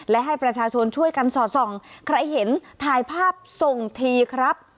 และให้ประชาชนช่วยกันสอดส่องใครเห็นถ่ายภาพส่งทีครับ